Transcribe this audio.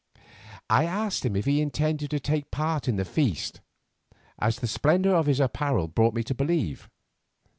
I asked him if he intended to take part in the feast, as the splendour of his apparel brought me to believe.